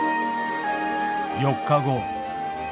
４日後。